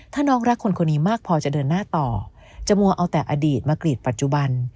ถ้าน้องรักคนคนนี้มากพอจะเดินหน้าต่อจะมัวเอาแต่อดีตมากรีดปัจจุบัน